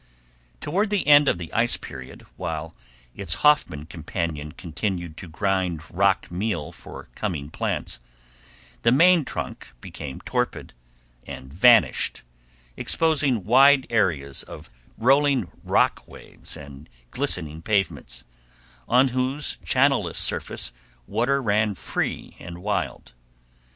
Toward the end of the ice period, while its Hoffman companion continued to grind rock meal for coming plants, the main trunk became torpid, and vanished, exposing wide areas of rolling rock waves and glistening pavements, on whose channelless surface water ran wild and free.